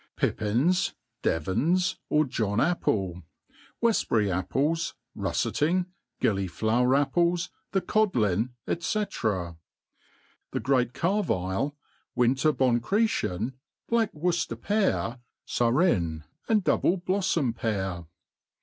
Pippins, devans, or John apple, Weftbury apples, rufTeting, gilliflower apples, the codlin, he. The great karvile, winter bonchretien, black Worcefter pear, furrein, and double blpfTompear.